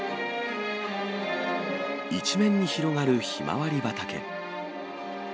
一面に広がるひまわり畑。